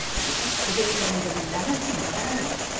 Escudella endevinada a qui no agrada.